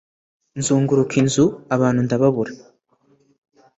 nzunguruka inzu abantu ndababura